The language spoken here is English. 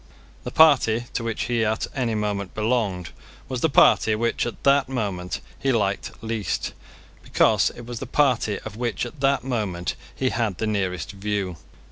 The party to which he at any moment belonged was the party which, at that moment, he liked least, because it was the party of which at that moment he had the nearest view.